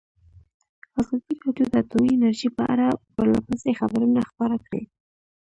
ازادي راډیو د اټومي انرژي په اړه پرله پسې خبرونه خپاره کړي.